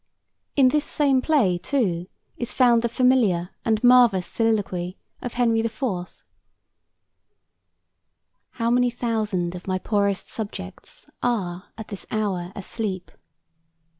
In this same play, too, is found the familiar and marvellous soliloquy of Henry IV.: "How many thousand of my poorest subjects Are at this hour asleep!